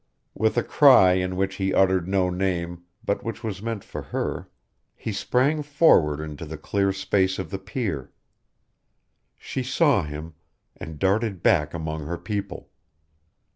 With a cry in which he uttered no name, but which was meant for her, he sprang forward into the clear space of the pier. She saw him, and darted back among her people.